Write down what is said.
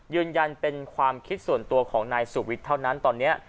ยืนยันเป็นความคิดส่วนตัวของนายสุวิทย์เท่านั้นตอนนี้